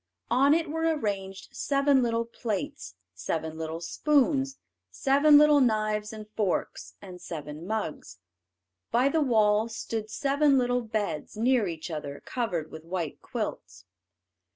On it were arranged seven little plates, seven little spoons, seven little knives and forks, and seven mugs. By the wall stood seven little beds, near each other, covered with white quilts.